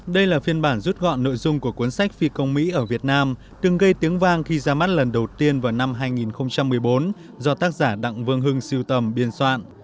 đây là phiên bản rút gọn nội dung của cuốn sách phi công mỹ ở việt nam từng gây tiếng vang khi ra mắt lần đầu tiên vào năm hai nghìn một mươi bốn do tác giả đặng vương hưng siêu tầm biên soạn